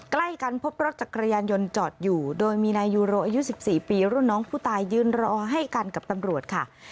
ใกล้กันพบรถจักรยานยนต์จอดอยู่โดยมีนายยูโรอายุ๑๔ปีรุ่นน้องผู้ตายยืนรอให้กันกับตำรวจค่ะ